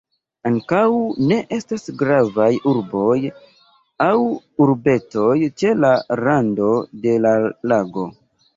Ankaŭ ne estas gravaj urboj aŭ urbetoj ĉe la rando de la lago.